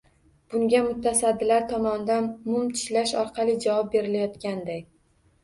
Bunga mutasaddilar tomonidan mum tishlash orqali javob berilayotganday.